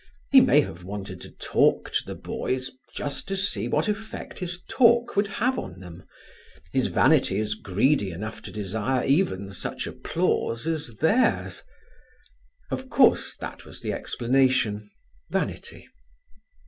He may have wanted to talk to the boys just to see what effect his talk would have on them. His vanity is greedy enough to desire even such applause as theirs.... Of course, that was the explanation vanity.